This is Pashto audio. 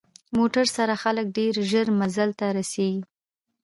موټر سره خلک ډېر ژر منزل ته رسېږي.